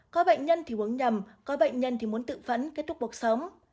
có bệnh nhân thì uống nhầm có bệnh nhân thì muốn tự phẫn kết thúc cuộc sống